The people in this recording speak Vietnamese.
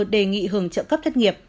đề nghị hưởng trợ cấp thất nghiệp